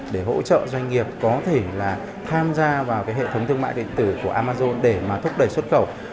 để hỗ trợ doanh nghiệp có thể tham gia vào hệ thống thương mại điện tử của amazon để thúc đẩy xuất khẩu